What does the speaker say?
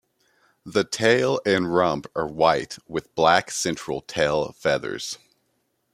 The tail and rump are white with black central tail feathers.